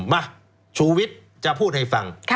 มาชุวิตจะพูดให้ฟัง